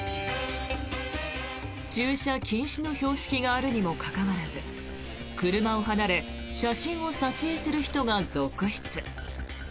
駐車禁止の標識があるにもかかわらず車を離れ写真を撮影する人が続出。